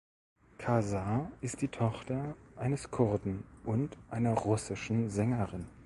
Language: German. Casar ist die Tochter eines Kurden und einer russischen Sängerin.